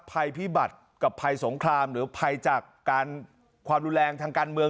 ภัยพิบัติกับภัยสงครามหรือภัยจากการความรุนแรงทางการเมือง